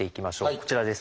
こちらです。